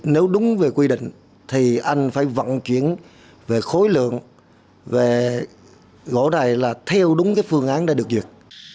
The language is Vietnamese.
nếu đúng về quy định thì anh phải vận chuyển về khối lượng về gỗ này là theo đúng phương án đã được duyệt